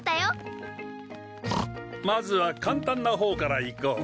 ブーまずは簡単なほうからいこう。